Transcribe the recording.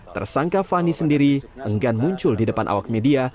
tersangka fani sendiri enggan muncul di depan awak media